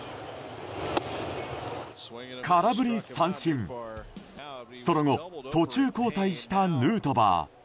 空振り三振その後、途中交代したヌートバー。